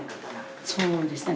そうですね。